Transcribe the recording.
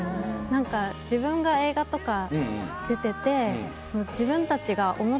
何か自分が映画とか出てて。